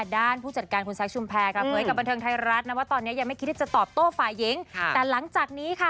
ด้านผู้จัดการครับคุณแซ็กชุมแพรค่ะ